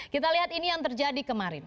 kita lihat ini yang terjadi kemarin